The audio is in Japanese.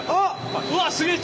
うわっすげえ力！